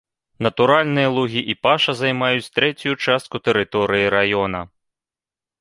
Натуральныя лугі і паша займаюць трэцюю частку тэрыторыі раёна.